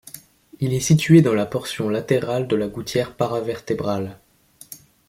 Il est situé dans la portion latérale de la gouttière para-vertébrale.